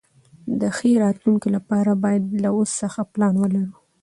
د ښې راتلونکي لپاره باید له اوس څخه پلان ولرو.